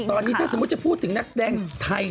ตอนนี้ถ้าสมมุติจะพูดถึงนักแสดงไทย